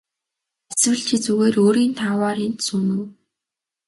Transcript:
Эсвэл чи зүгээр өөрийн тааваар энд сууна уу.